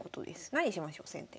何しましょう先手。